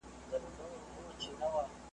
له نسیم سره له څانګو تویېدلای `